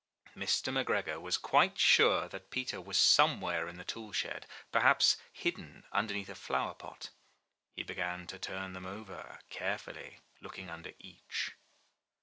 Mr. McGregor was quite sure that Peter was some where in the tool shed, perhaps hidden underneath a flowerpot. He began to turn them over carefully looking under each.